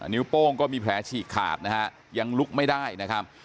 นิ้วโป้งก็มีแผลฉีกขาดนะฮะยังลุกไม่ได้นะครับ